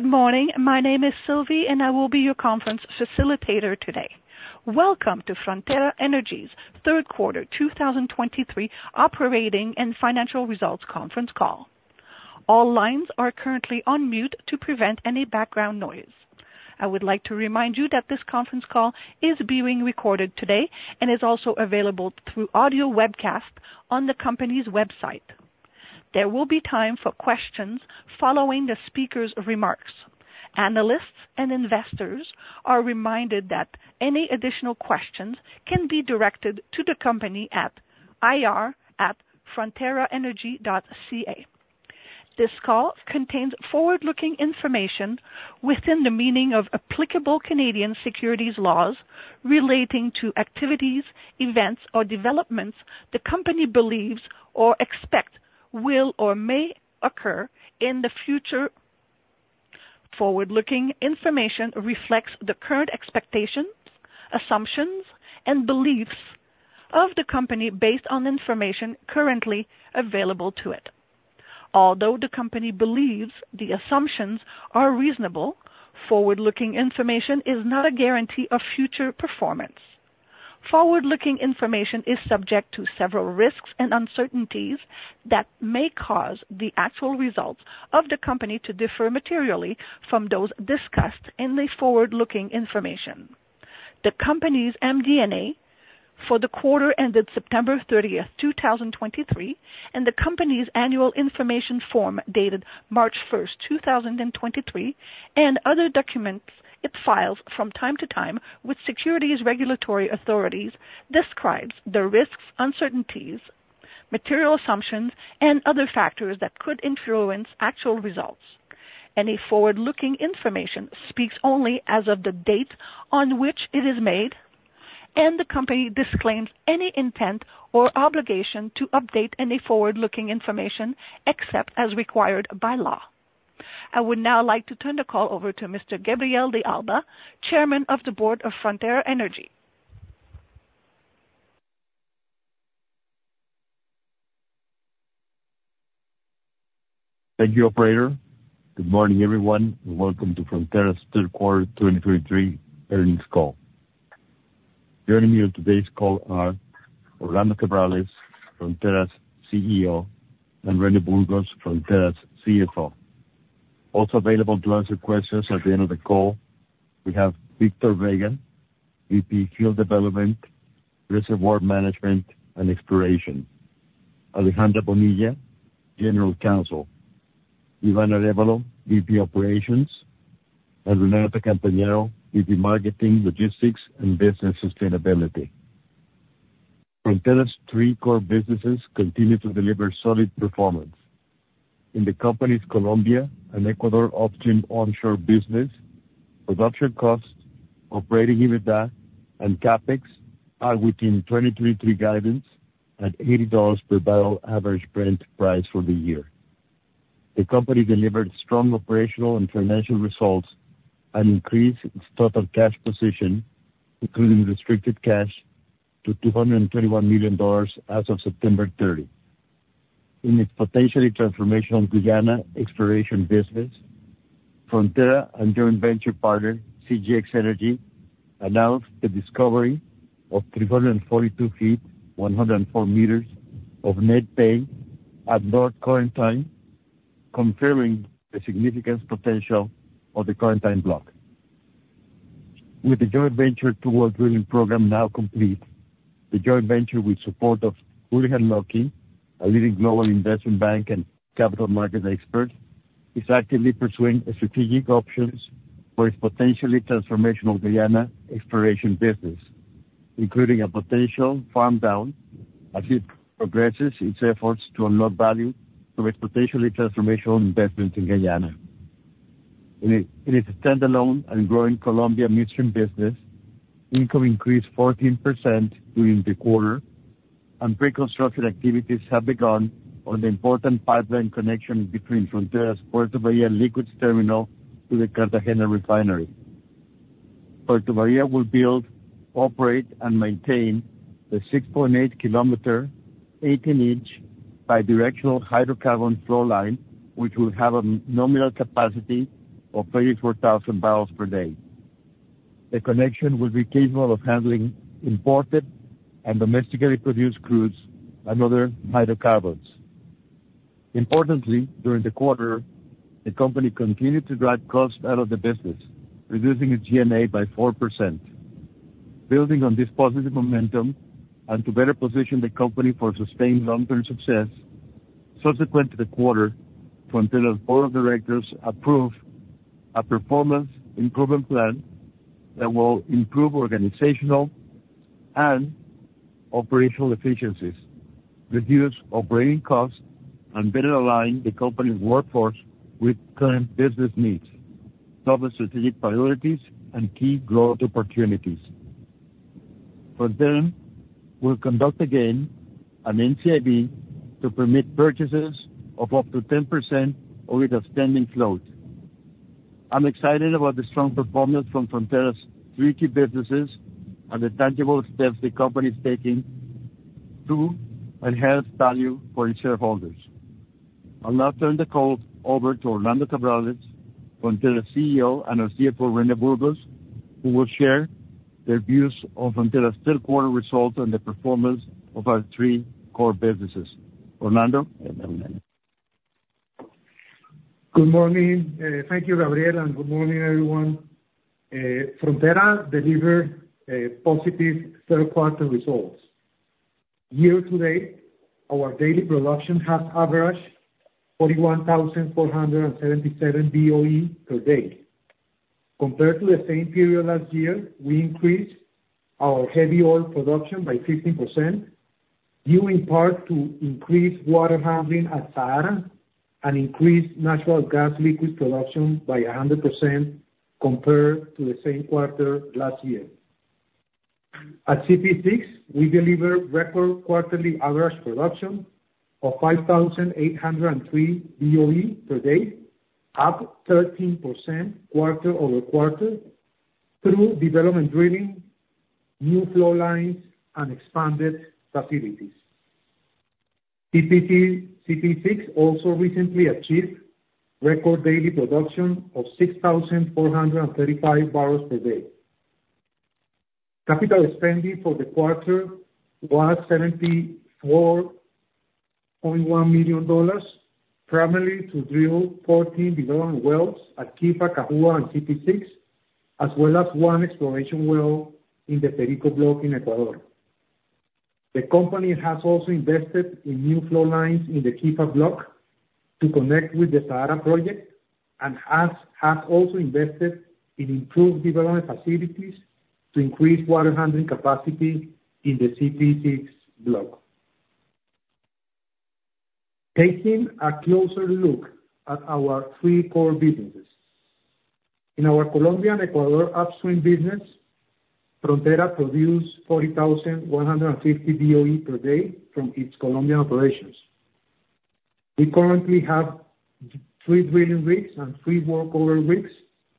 Good morning. My name is Sylvie, and I will be your conference facilitator today. Welcome to Frontera Energy's third quarter 2023 operating and financial results conference call. All lines are currently on mute to prevent any background noise. I would like to remind you that this conference call is being recorded today and is also available through audio webcast on the company's website. There will be time for questions following the speaker's remarks. Analysts and investors are reminded that any additional questions can be directed to the company at ir@fronteraenergy.ca. This call contains forward-looking information within the meaning of applicable Canadian securities laws relating to activities, events, or developments the company believes or expect will or may occur in the future. Forward-looking information reflects the current expectations, assumptions, and beliefs of the company based on information currently available to it. Although the company believes the assumptions are reasonable, forward-looking information is not a guarantee of future performance. Forward-looking information is subject to several risks and uncertainties that may cause the actual results of the company to differ materially from those discussed in the forward-looking information. The company's MD&A for the quarter ended September 30, 2023, and the company's annual information form dated March 1, 2023, and other documents it files from time to time with securities regulatory authorities, describes the risks, uncertainties, material assumptions, and other factors that could influence actual results. Any forward-looking information speaks only as of the date on which it is made, and the company disclaims any intent or obligation to update any forward-looking information, except as required by law. I would now like to turn the call over to Mr. Gabriel de Alba, Chairman of the Board of Frontera Energy. Thank you, operator. Good morning, everyone, and welcome to Frontera's third quarter 2023 earnings call. Joining me on today's call are Orlando Cabrales, Frontera's CEO, and René Burgos, Frontera's CFO. Also available to answer questions at the end of the call, we have Victor Vega, VP, Field Development, Reservoir Management, and Exploration, Alejandra Bonilla, General Counsel, Iván Arévalo, VP, Operations, and Renata Campagnaro, VP, Marketing, Logistics, and Business Sustainability. Frontera's three core businesses continue to deliver solid performance. In the company's Colombia and Ecuador upstream onshore business, production costs, operating EBITDA and CapEx are within 2023 guidance at $80 per barrel average Brent price for the year. The company delivered strong operational and financial results and increased its total cash position, including restricted cash, to $221 million as of September 30. In its potentially transformational Guyana exploration business, Frontera and joint venture partner, CGX Energy, announced the discovery of 342 ft, 104 m of net pay at North Corentyne, confirming the significant potential of the Corentyne block. With the joint venture two well drilling program now complete, the joint venture, with support of Houlihan Lokey, a leading global investment bank and capital market expert, is actively pursuing strategic options for its potentially transformational Guyana exploration business, including a potential farm-down as it progresses its efforts to unlock value from its potentially transformational investment in Guyana. In its standalone and growing Colombia midstream business, income increased 14% during the quarter, and pre-construction activities have begun on the important pipeline connection between Frontera's Puerto Bahía liquids terminal to the Cartagena refinery. Puerto Bahía will build, operate, and maintain the 6.8-km, 18-in bidirectional hydrocarbon flow line, which will have a nominal capacity of 34,000 barrels per day. The connection will be capable of handling imported and domestically produced crudes and other hydrocarbons. Importantly, during the quarter, the company continued to drive costs out of the business, reducing its G&A by 4%. Building on this positive momentum and to better position the company for sustained long-term success, subsequent to the quarter, Frontera's board of directors approved a performance improvement plan that will improve organizational and operational efficiencies, reduce operating costs, and better align the company's workforce with current business needs, top strategic priorities and key growth opportunities. Further, we'll conduct again an NCIB to permit purchases of up to 10% of its outstanding float. I'm excited about the strong performance from Frontera's three key businesses and the tangible steps the company is taking to enhance value for its shareholders. I'll now turn the call over to Orlando Cabrales, Frontera CEO, and our CFO, René Burgos, who will share their views of Frontera's third quarter results and the performance of our three core businesses. Orlando? Good morning. Thank you, Gabriel, and good morning, everyone. Frontera delivered a positive third-quarter results. Year to date, our daily production has averaged 41,477 BOE per day. Compared to the same period last year, we increased our heavy oil production by 15%, due in part to increased water handling at Sahara and increased natural gas liquid production by 100% compared to the same quarter last year. At CPE-6, we delivered record quarterly average production of 5,803 BOE per day, up 13% quarter-over-quarter, through development drilling, new flow lines, and expanded facilities. CPE-6 also recently achieved record daily production of 6,435 barrels per day. Capital spending for the quarter was $74.1 million, primarily to drill 14 development wells at Quifa, Chaza, and CPE-6, as well as one exploration well in the Perico Block in Ecuador. The company has also invested in new flow lines in the Quifa Block to connect with the Sabanero project, and has also invested in improved development facilities to increase water handling capacity in the CPE-6 block. Taking a closer look at our three core businesses. In our Colombian Ecuador upstream business, Frontera produced 40,150 BOE per day from its Colombian operations. We currently have three drilling rigs and three workover rigs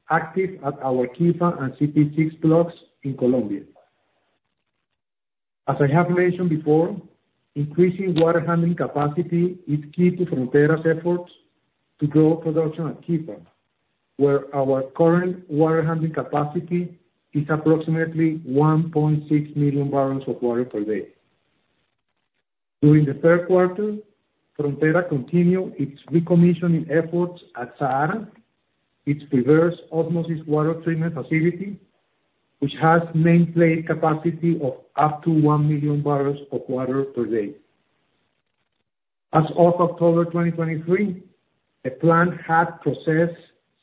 active at our Quifa and CPE-6 blocks in Colombia. As I have mentioned before, increasing water handling capacity is key to Frontera's efforts to grow production at Quifa, where our current water handling capacity is approximately 1.6 million barrels of water per day. During the third quarter, Frontera continued its recommissioning efforts at Sabanero, its reverse osmosis water treatment facility, which has main plant capacity of up to 1 million barrels of water per day. As of October 2023, the plant had processed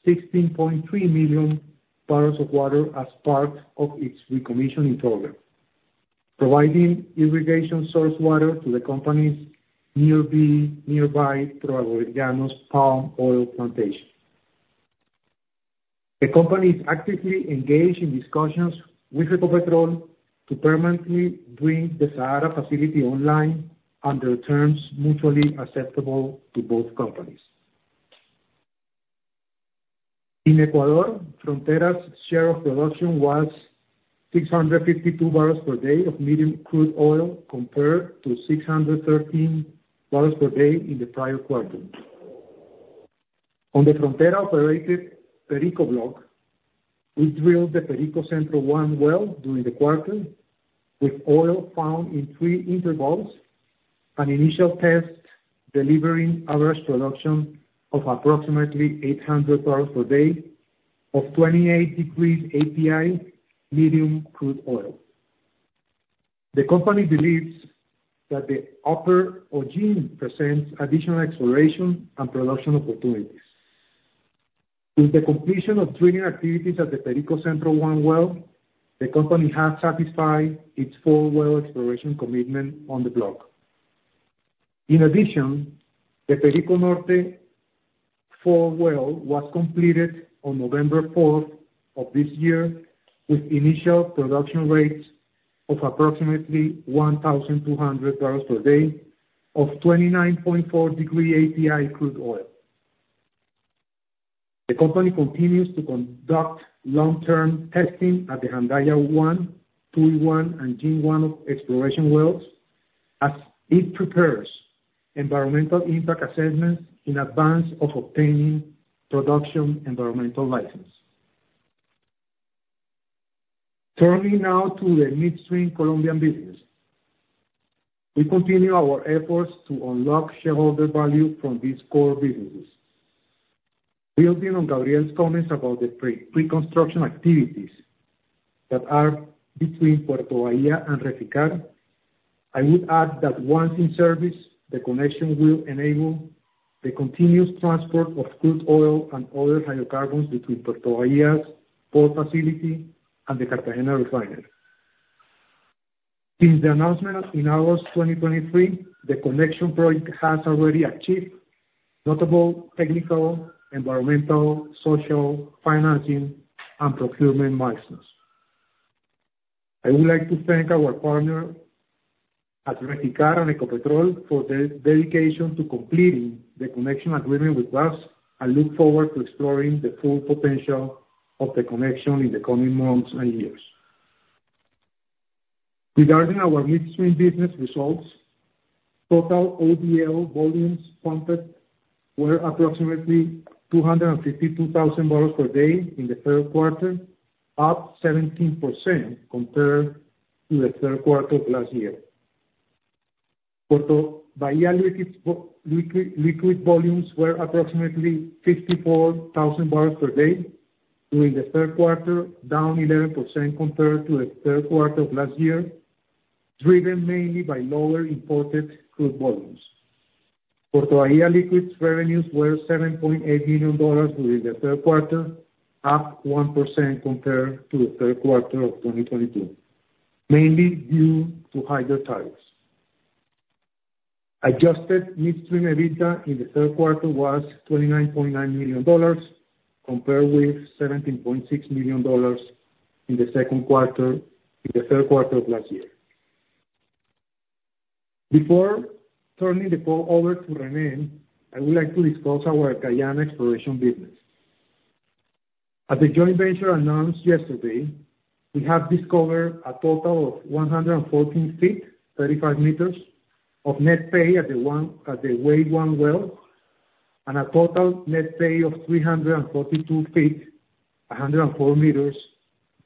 16.3 million barrels of water as part of its recommissioning program, providing irrigation source water to the company's nearby Proagrollanos palm oil plantation. The company is actively engaged in discussions with Ecopetrol to permanently bring the Sabanero facility online under terms mutually acceptable to both companies. In Ecuador, Frontera's share of production was 652 barrels per day of medium crude oil, compared to 613 barrels per day in the prior quarter. On the Frontera-operated Perico Block, we drilled the Perico Central-1 well during the quarter, with oil found in three intervals, and initial tests delivering average production of approximately 800 barrels per day of 28 degrees API medium crude oil. The company believes that the upper Eugene presents additional exploration and production opportunities. With the completion of drilling activities at the Perico Central-1 well, the company has satisfied its full well exploration commitment on the block. In addition, the Perico Norte-4 well was completed on November fourth of this year, with initial production rates of approximately 1,200 barrels per day of 29.4 degree API crude oil. The company continues to conduct long-term testing at the Jandaya 1, Tui-1, and Wei-1 exploration wells, as it prepares environmental impact assessments in advance of obtaining production environmental license. Turning now to the midstream Colombian business. We continue our efforts to unlock shareholder value from this core business. Building on Gabriel's comments about the pre-construction activities that are between Puerto Bahía and Reficar, I would add that once in service, the connection will enable the continuous transport of crude oil and other hydrocarbons between Puerto Bahía's port facility and the Cartagena refinery. Since the announcement in August 2023, the connection project has already achieved notable technical, environmental, social, financing, and procurement milestones. I would like to thank our partner at Reficar and Ecopetrol for their dedication to completing the connection agreement with us, and look forward to exploring the full potential... of the connection in the coming months and years. Regarding our midstream business results, total ODL volumes pumped were approximately 252,000 barrels per day in the third quarter, up 17% compared to the third quarter of last year. Puerto Bahía liquids volumes were approximately 54,000 barrels per day during the third quarter, down 11% compared to the third quarter of last year, driven mainly by lower imported crude volumes. Puerto Bahía liquids revenues were $7.8 million during the third quarter, up 1% compared to the third quarter of 2022, mainly due to higher tariffs. Adjusted midstream EBITDA in the third quarter was $29.9 million, compared with $17.6 million in the third quarter of last year. Before turning the call over to René, I would like to discuss our Guyana exploration business. As the joint venture announced yesterday, we have discovered a total of 114 ft, 35 m, of net pay at the Wei-1 well, and a total net pay of 342 feet, 104 meters,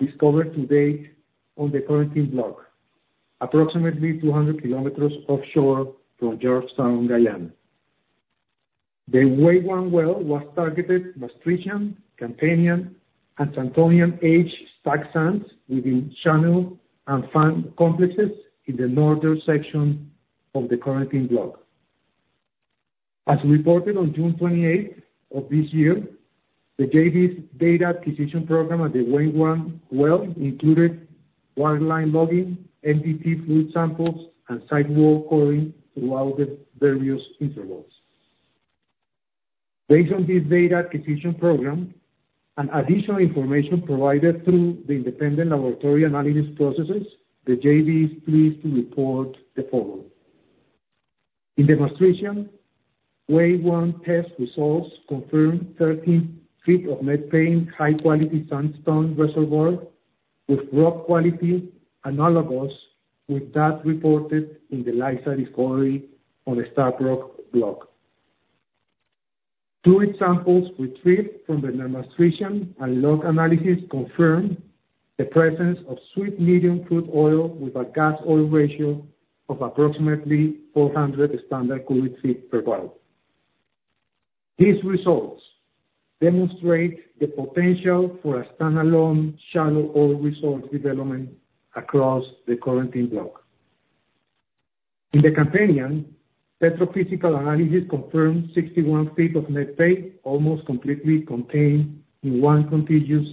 discovered to date on the Corentyne Block, approximately 200 kilometers offshore from Georgetown, Guyana. The Wei-1 well was targeted Maastrichtian, Campanian, and Santonian age stack sands within channel and fan complexes in the northern section of the Corentyne Block. As reported on June 28th of this year, the JV's data acquisition program at the Wei-1 well included wireline logging, MDT fluid samples, and sidewall coring throughout the various intervals. Based on this data acquisition program and additional information provided through the independent laboratory analysis processes, the JV is pleased to report the following: In the Maastrichtian, Wei-1 test results confirmed 13 ft of net pay, high quality sandstone reservoir, with rock quality analogous with that reported in the Liza discovery on the Stabroek Block. Two examples retrieved from the Maastrichtian and log analysis confirmed the presence of sweet, medium crude oil with a gas oil ratio of approximately 400 standard cubic feet per barrel. These results demonstrate the potential for a standalone shallow oil resource development across the Corentyne Block. In the Campanian, petrophysical analysis confirmed 61 ft of net pay, almost completely contained in one contiguous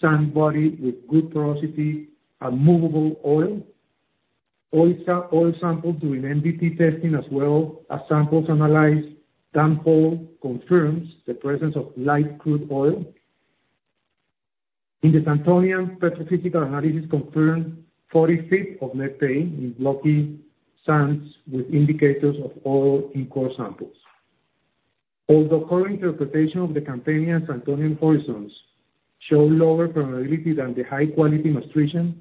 sand body with good porosity and movable oil. Oil samples during MDT testing, as well as samples analyzed downhole, confirms the presence of light crude oil. In the Santonian, petrophysical analysis confirmed 40 ft of net pay in blocky sands with indicators of oil in core samples. Although current interpretation of the Campanian Santonian horizons show lower permeability than the high-quality Maastrichtian,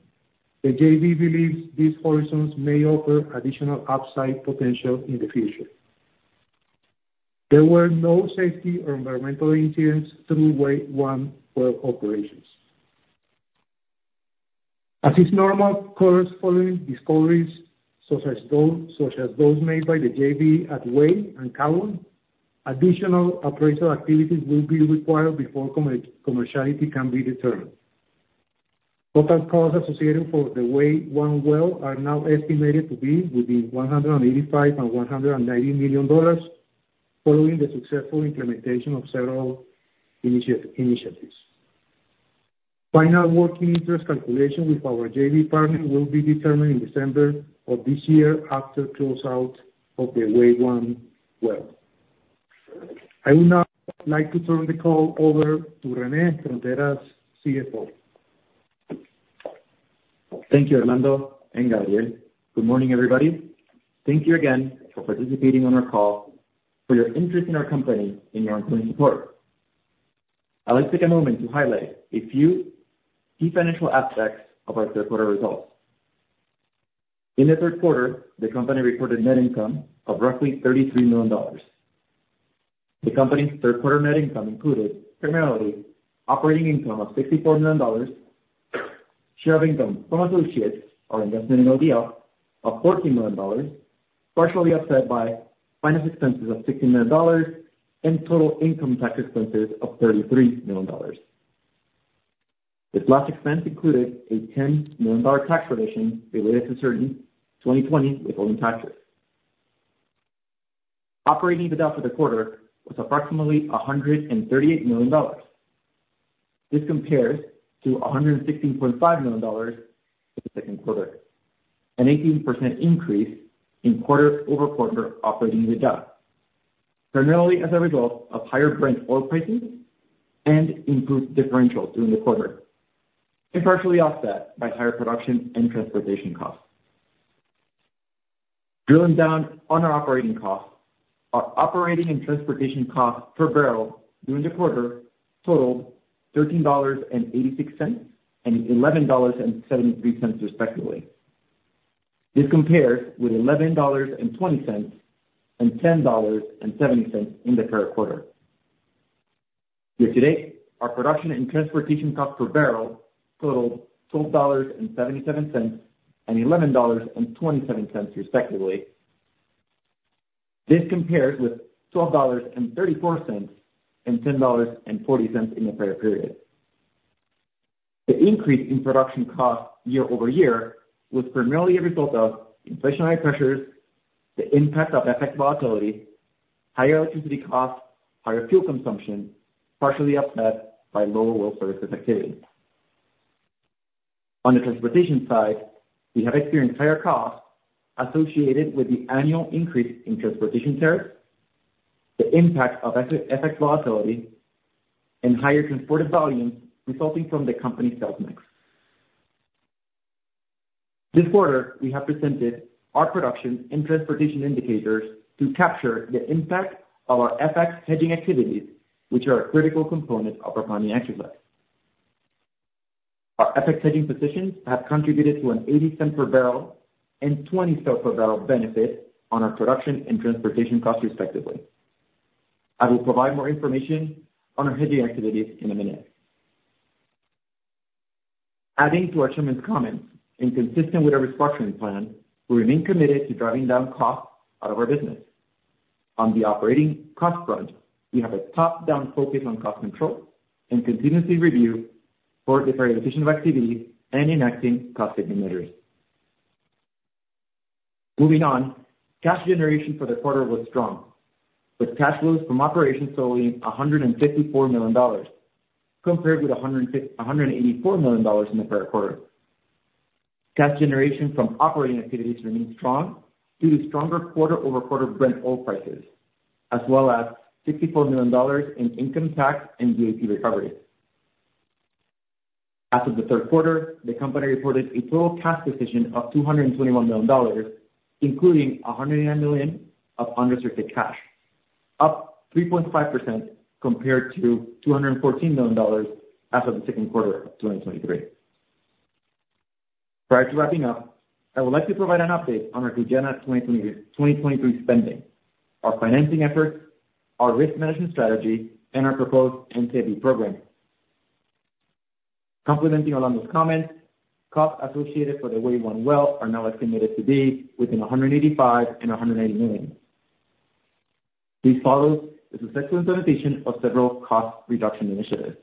the JV believes these horizons may offer additional upside potential in the future. There were no safety or environmental incidents through Wei-1 well operations. As is normal, of course following discoveries such as those made by the JV at Wei and Corentyne, additional appraisal activities will be required before commerciality can be determined. Total costs associated for the Wei-1 well are now estimated to be within $185 million-$190 million, following the successful implementation of several initiatives. Final working interest calculation with our JV partner will be determined in December of this year after closeout of the Wei-1 well. I would now like to turn the call over to René, Frontera's CFO. Thank you, Orlando and Gabriel. Good morning, everybody. Thank you again for participating on our call, for your interest in our company, and your ongoing support. I'd like to take a moment to highlight a few key financial aspects of our third quarter results. In the third quarter, the company recorded net income of roughly $33 million. The company's third quarter net income included primarily operating income of $64 million, share of income from associates or investment in ODL of $14 million, partially offset by finance expenses of $16 million, and total income tax expenses of $33 million. This last expense included a $10 million tax provision related to certain 2020 withholding taxes. Operating EBITDA for the quarter was approximately $138 million. This compares to $116.5 million in the second quarter, an 18% increase in quarter-over-quarter operating EBITDA, primarily as a result of higher Brent oil prices and improved differentials during the quarter, and partially offset by higher production and transportation costs. Drilling down on our operating costs, our operating and transportation costs per barrel during the quarter totaled $13.86 and $11.73, respectively. This compares with $11.20 and $10.70 in the current quarter. Year-to-date, our production and transportation costs per barrel totaled $12.77 and $11.27, respectively. This compares with $12.34 and $10.40 in the prior period. The increase in production costs year-over-year was primarily a result of inflationary pressures, the impact of FX volatility, higher electricity costs, higher fuel consumption, partially offset by lower well service activity. On the transportation side, we have experienced higher costs associated with the annual increase in transportation tariffs, the impact of FX, FX volatility, and higher transported volumes resulting from the company's sales mix. This quarter, we have presented our production and transportation indicators to capture the impact of our FX hedging activities, which are a critical component of our company activity. Our FX hedging positions have contributed to an $0.80 per barrel and $0.20 per barrel benefit on our production and transportation costs, respectively. I will provide more information on our hedging activities in a minute. Adding to our chairman's comments, and consistent with our restructuring plan, we remain committed to driving down costs out of our business. On the operating cost front, we have a top-down focus on cost control and continuously review for the prioritization of activities and enacting cost initiatives. Moving on, cash generation for the quarter was strong, with cash flows from operations totaling $154 million, compared with $184 million in the prior quarter. Cash generation from operating activities remains strong due to stronger quarter-over-quarter Brent oil prices, as well as $64 million in income tax and VAT recovery. As of the third quarter, the company reported a total cash position of $221 million, including $109 million of unrestricted cash, up 3.5% compared to $214 million as of the second quarter of 2023. Prior to wrapping up, I would like to provide an update on our Guyana 2023 spending, our financing efforts, our risk management strategy, and our proposed NCIB program. Complementing Orlando's comments, costs associated for the Wei-1 well are now estimated to be within $180 million-$185 million. This follows the successful implementation of several cost reduction initiatives.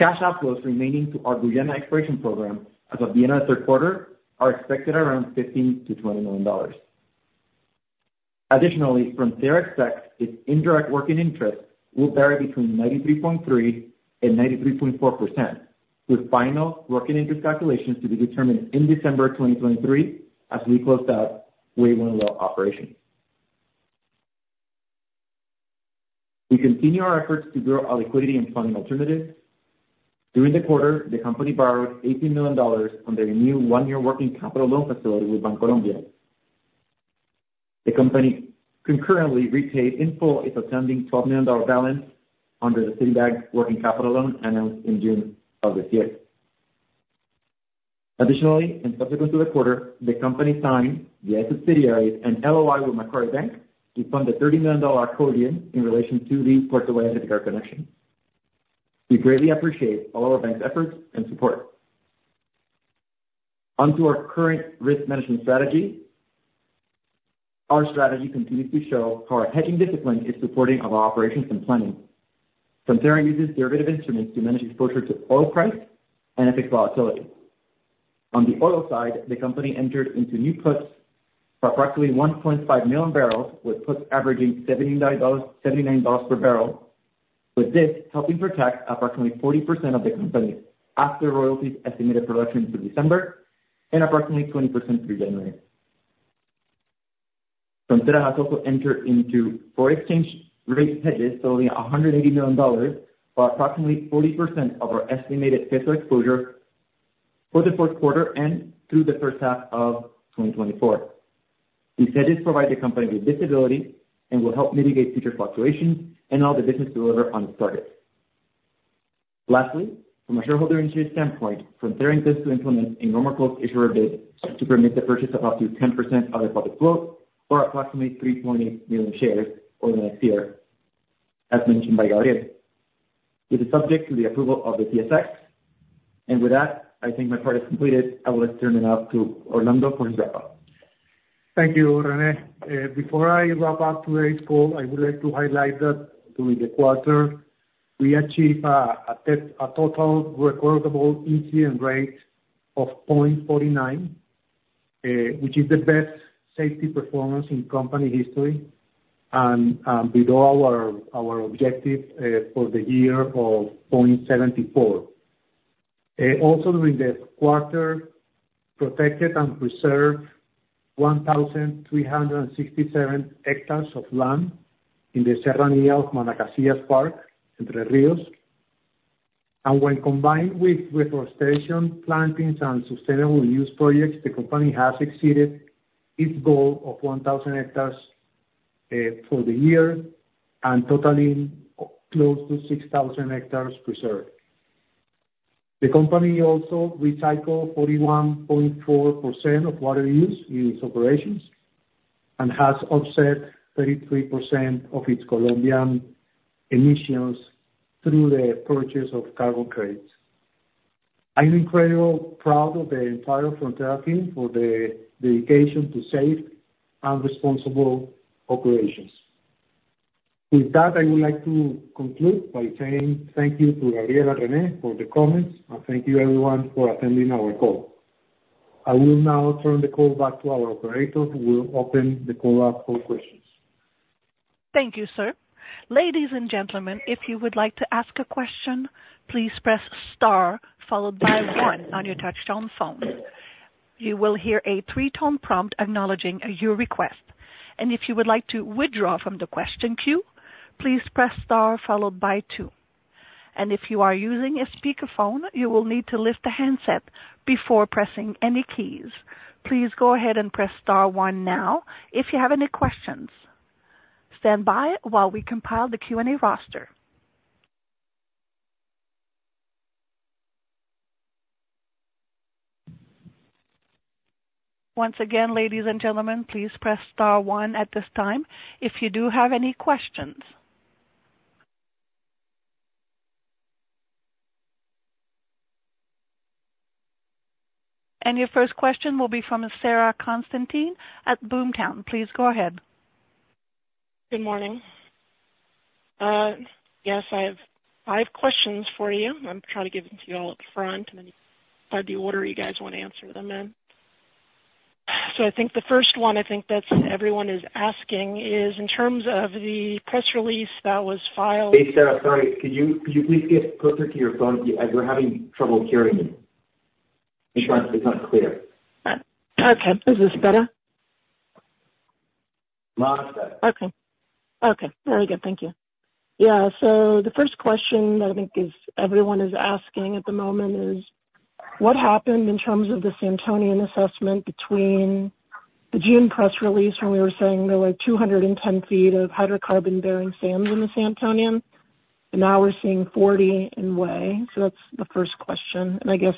Cash outflows remaining to our Guyana exploration program as of the end of the third quarter are expected around $15 million-$20 million. Additionally, Frontera expects its indirect working interest will vary between 93.3% and 93.4%, with final working interest calculations to be determined in December 2023 as we close out Wei-1 well operations. We continue our efforts to grow our liquidity and funding alternatives. During the quarter, the company borrowed $18 million on their new 1-year working capital loan facility with Bancolombia. The company concurrently repaid in full its outstanding $12 million balance under the Citibank working capital loan announced in June of this year. Additionally, and subsequent to the quarter, the company signed via subsidiaries an LOI with Macquarie to fund a $30 million consortium in relation to the Puerto Bahía connection. We greatly appreciate all our banks' efforts and support. Onto our current risk management strategy. Our strategy continues to show how our hedging discipline is supporting our operations and planning. Frontera uses derivative instruments to manage exposure to oil price and FX volatility. On the oil side, the company entered into new puts for approximately 1.5 million barrels, with puts averaging $79, $79 per barrel, with this helping protect approximately 40% of the company after royalties estimated production through December, and approximately 20% through January. Frontera has also entered into foreign exchange rate hedges totaling $180 million, or approximately 40% of our estimated fiscal exposure for the fourth quarter and through the first half of 2024. These hedges provide the company with visibility and will help mitigate future fluctuations and allow the business to deliver on its targets. Lastly, from a shareholder interest standpoint, Frontera intends to implement a normal course issuer bid to permit the purchase of up to 10% of its public float, or approximately 3.8 million shares over the next year, as mentioned by Gabriel. It is subject to the approval of the TSX. With that, I think my part is completed. I will turn it now to Orlando for his wrap-up. Thank you, René. Before I wrap up today's call, I would like to highlight that during the quarter, we achieved a total recordable incident rate of 0.49, which is the best safety performance in company history, and below our objective for the year of 0.74. Also during the quarter, protected and preserved 1,367 hectares of land in the Serranía de Manacacías Park, Entre Ríos. When combined with reforestation, plantings, and sustainable use projects, the company has exceeded its goal of 1,000 hectares for the year, and totaling close to 6,000 hectares preserved. The company also recycled 41.4% of water use in its operations, and has offset 33% of its Colombian emissions through the purchase of carbon credits. I'm incredibly proud of the entire Frontera team for their dedication to safe and responsible operations. With that, I would like to conclude by saying thank you to Gabriel, René for the comments, and thank you everyone for attending our call. I will now turn the call back to our operator, who will open the call up for questions. Thank you, sir. Ladies and gentlemen, if you would like to ask a question, please press star followed by one on your touch-tone phone. You will hear a three-tone prompt acknowledging your request. And if you would like to withdraw from the question queue, please press star followed by two. And if you are using a speakerphone, you will need to lift the handset before pressing any keys. Please go ahead and press star one now if you have any questions. Stand by while we compile the Q&A roster. Once again, ladies and gentlemen, please press star one at this time if you do have any questions. And your first question will be from Sara Konstantine at Boomtown. Please go ahead. Good morning. Yes, I have five questions for you. I'm trying to give them to you all up front, and then start the order you guys want to answer them in. So I think the first one, I think, that everyone is asking is, in terms of the press release that was filed- Hey, Sara, sorry. Could you, could you please get closer to your phone? We're having trouble hearing you. It's not, it's not clear. Okay. Is this better? Much better. Okay. Okay, very good. Thank you. Yeah, so the first question that I think is everyone is asking at the moment is: What happened in terms of the Santonian assessment between the June press release, when we were saying there were 210 ft of hydrocarbon-bearing sands in the Santonian, and now we're seeing 40 in Wei? So that's the first question. And I guess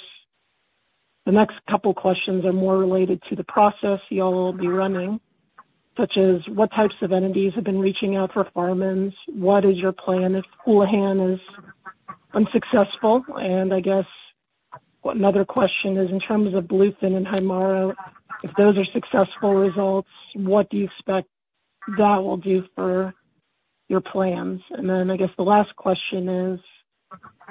the next couple questions are more related to the process you all will be running, such as, what types of entities have been reaching out for farm-ins? What is your plan if Houlihan is unsuccessful? And I guess another question is, in terms of Bluefin and Haimara, if those are successful results, what do you expect that will do for your plans? Then I guess the last question is,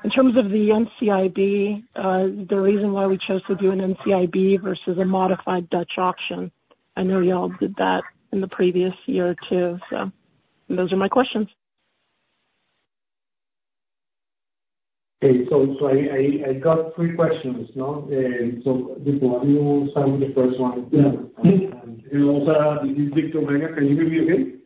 in terms of the NCIB, the reason why we chose to do an NCIB versus a modified Dutch auction. I know you all did that in the previous year or two. So those are my questions. Okay. So, I got three questions, no? So before you start with the first one. Yeah. Also, did you speak to Omega? Can you hear me again?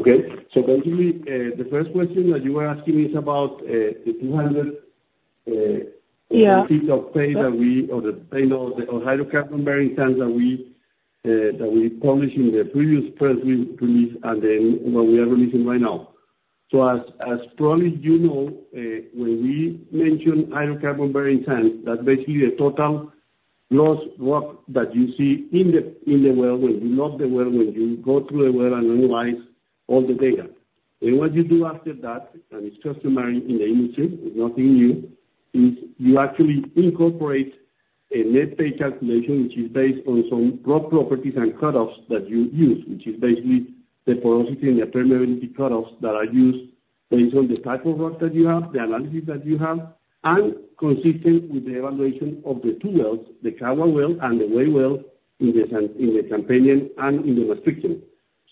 Okay. So basically, the first question that you were asking is about the 200, Yeah. Net pay that we, or the, you know, the hydrocarbon bearing sands that we, that we published in the previous press release, and then what we are releasing right now. So as, as probably you know, when we mention hydrocarbon bearing sands, that's basically the total gross rock that you see in the well, when you log the well, when you go through the well and analyze all the data. What you do after that, and it's customary in the industry, it's nothing new, is you actually incorporate a net pay calculation, which is based on some rock properties and cutoffs that you use, which is basically the porosity and the permeability cutoffs that are used based on the type of rock that you have, the analysis that you have, and consistent with the evaluation of the two wells, the Kawa well and the Wei well, in the Campanian and in the Maastrichtian.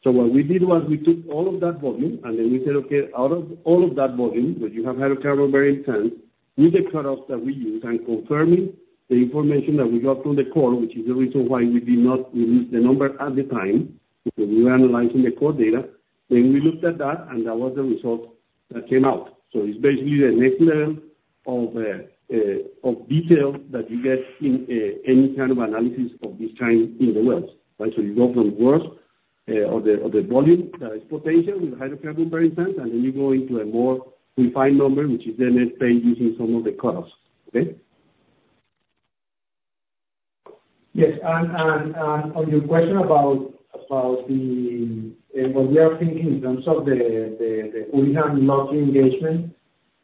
So what we did was we took all of that volume, and then we said, okay, out of all of that volume that you have hydrocarbon bearing sands, with the cutoffs that we use, and confirming the information that we got from the core, which is the reason why we did not release the number at the time, because we were analyzing the core data. Then we looked at that, and that was the result that came out. So it's basically the next level of detail that you get in any kind of analysis of this kind in the wells. Right? So you go from gross, or the volume that is potential with the hydrocarbon bearing sands, and then you go into a more refined number, which is the net pay using some of the cutoffs. Okay? Yes, and on your question about what we are thinking in terms of the Houlihan Lokey engagement,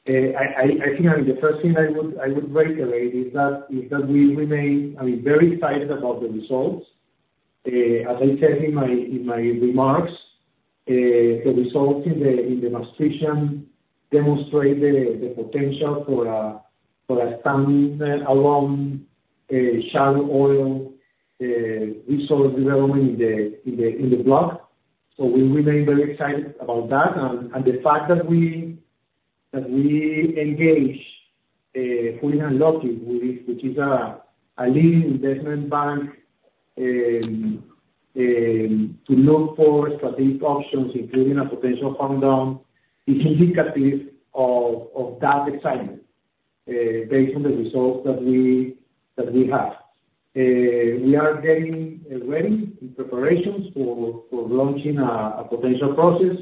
I think the first thing I would reiterate is that we remain, I mean, very excited about the results. As I said in my remarks, the results in the Maastrichtian demonstrate the potential for a standalone shallow oil resource development in the block. So we remain very excited about that. And the fact that we-... that we engaged Houlihan Lokey, which is a leading investment bank, to look for strategic options, including a potential farm down, is indicative of that excitement based on the results that we have. We are getting ready in preparations for launching a potential process,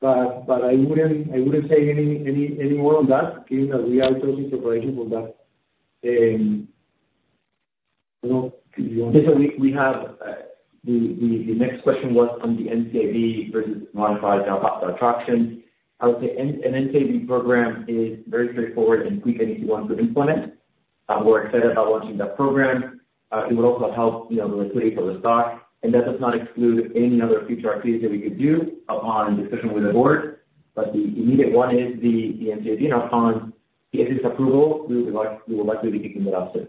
but I wouldn't say any more on that, given that we are still in preparation for that. You know, if you want- Yes, so we have the next question was on the NCIB versus modified Dutch auctions. I would say an NCIB program is very straightforward and quick, and easy one to implement. We're excited about launching that program. It would also help, you know, the liquidity for the stock, and that does not exclude any other future activities that we could do upon discussion with the board. But the immediate one is the NCIB, and upon the agency's approval, we will likely be kicking it off soon.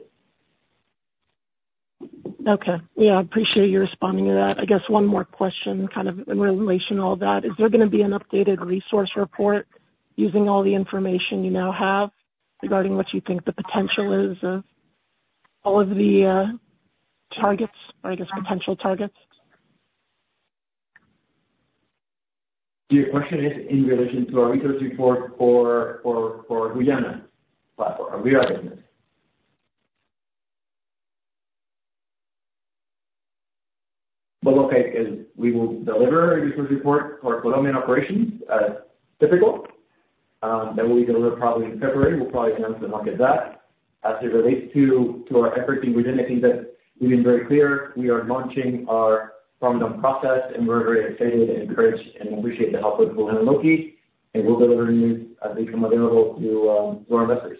Okay. Yeah, I appreciate you responding to that. I guess one more question, kind of in relation to all that: Is there gonna be an updated resource report using all the information you now have, regarding what you think the potential is of all of the targets or, I guess, potential targets? Your question is in relation to our resource report for Guyana platform, our Guyana business? Well, okay, as we will deliver a resource report for Colombian operations, as typical. That will be delivered probably in February. We'll probably announce the market that. As it relates to our efforts in Guyana, I think that we've been very clear. We are launching our farm-down process, and we're very excited and encouraged and appreciate the help with Houlihan Lokey, and we'll deliver news as they become available to our investors.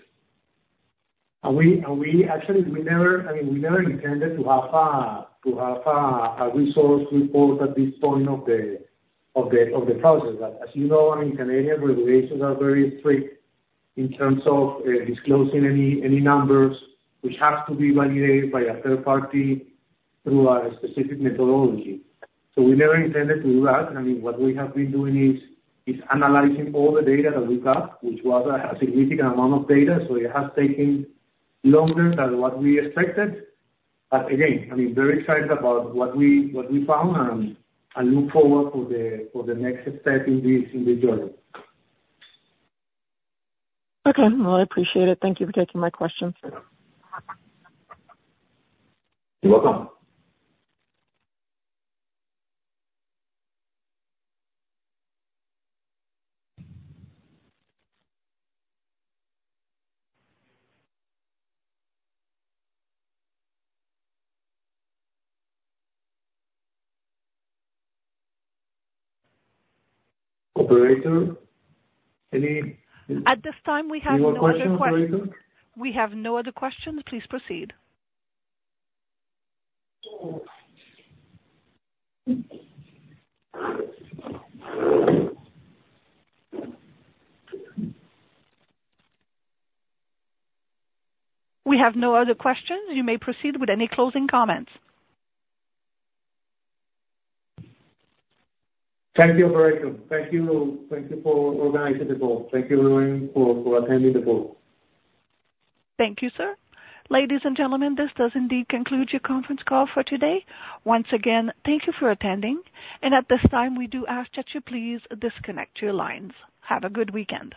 And we actually never—I mean, we never intended to have a resource report at this point of the process. But as you know, I mean, Canadian regulations are very strict in terms of disclosing any numbers, which has to be validated by a third party through a specific methodology. So we never intended to do that. I mean, what we have been doing is analyzing all the data that we got, which was a significant amount of data, so it has taken longer than what we expected. But again, I mean, very excited about what we found, and look forward for the next step in this journey. Okay. Well, I appreciate it. Thank you for taking my questions. You're welcome. Operator, any- At this time, we have no other questions. Any more questions, operator? We have no other questions. Please proceed. We have no other questions. You may proceed with any closing comments. Thank you, operator. Thank you. Thank you for organizing the call. Thank you, everyone, for attending the call. Thank you, sir. Ladies and gentlemen, this does indeed conclude your conference call for today. Once again, thank you for attending, and at this time, we do ask that you please disconnect your lines. Have a good weekend.